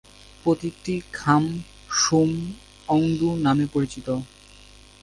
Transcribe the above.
প্রতীকটি "খাম-সুম-অংডু" নামে পরিচিত"।"